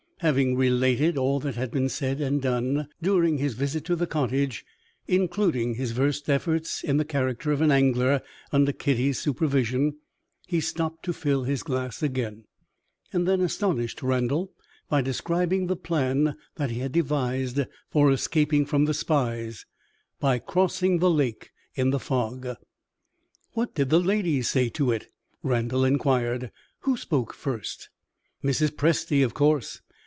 Having related all that had been said and done during his visit to the cottage, including his first efforts in the character of an angler under Kitty's supervision, he stopped to fill his glass again and then astonished Randal by describing the plan that he had devised for escaping from the spies by crossing the lake in the fog. "What did the ladies say to it?" Randal inquired. "Who spoke first?" "Mrs. Presty, of course!